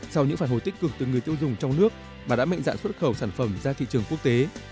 sau những phản hồi tích cực từ người tiêu dùng trong nước bà đã mạnh dạng xuất khẩu sản phẩm ra thị trường quốc tế